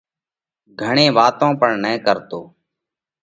گھڻي واتون پڻ نہ ڪرتو۔